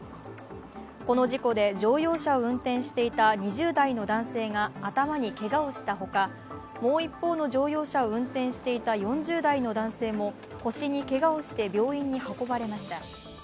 この事故で、乗用車を運転していた２０代の男性が頭にけがをしたほか、もう一方の乗用車を運転していた４０代の男性も腰にけがをして病院に運ばれました。